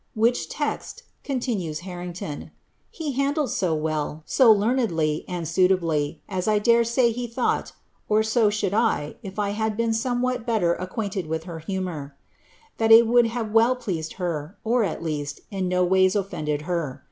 Whrch text," continues Harrington, ' he handled so well, so learnedly, a:: J suilablv, as I dare say he thought (and so should I, if I had not been somewhat better acquainted with her humour) that it would have 'rii pleased her, or, at least, in no ways offended her.